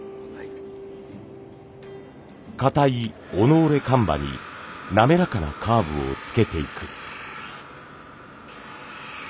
かたいオノオレカンバに滑らかなカーブをつけていく。